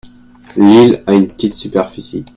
L'île a une petite superficie.